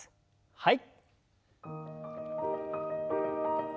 はい。